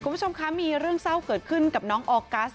คุณผู้ชมคะมีเรื่องเศร้าเกิดขึ้นกับน้องออกัส